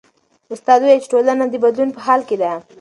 استاد وویل چې ټولنه د بدلون په حال کې ده.